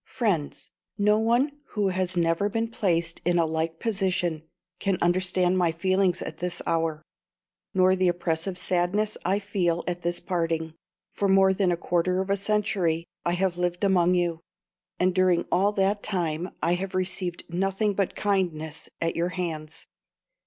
"FRIENDS, No one who has never been placed in a like position can understand my feelings at this hour, nor the oppressive sadness I feel at this parting. For more than a quarter of a century I have lived among you, and during all that time I have received nothing but kindness at your hands.